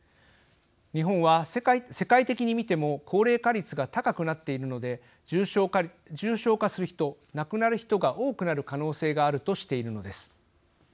日本は世界的に見ても高齢化率が高くなっているので重症化する人亡くなる人が多くなる可能性があるとしているのです。